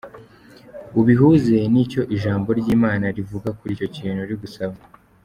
Ubihuze n'icyo ijambo ry'Imana rivuga kuri icyo kintu uri gusaba.